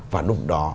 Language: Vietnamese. và lúc đó